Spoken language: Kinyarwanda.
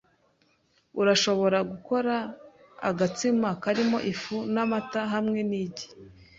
Urashobora gukora agatsima karimo ifu n'amata hamwe n'igi .